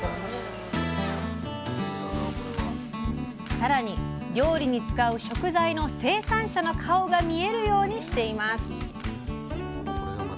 さらに料理に使う食材の生産者の顔が見えるようにしています。